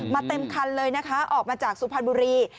เต็มคันเลยนะคะออกมาจากสุพรรณบุรี